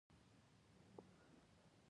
افغانستان کې د کابل سیند په اړه زده کړه کېږي.